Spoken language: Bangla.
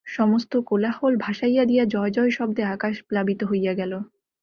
সমস্ত কোলাহল ভাসাইয়া দিয়া জয় জয় শব্দে আকাশ প্লাবিত হইয়া গেল।